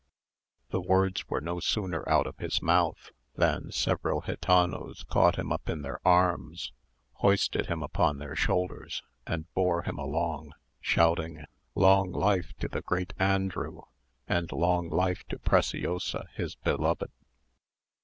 The words were no sooner out of his mouth, than several gitanos caught him up in their arms, hoisted him upon their shoulders, and bore him along, shouting, "Long life to the great Andrew, and long life to Preciosa his beloved!"